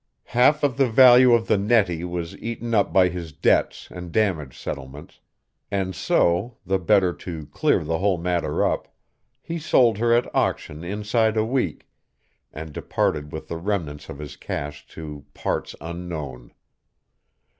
Half of the value of the Nettie was eaten up by his debts and damage settlements, and so, the better to clear the whole matter up, he sold her at auction inside a week and departed with the remnants of his cash to parts unknown.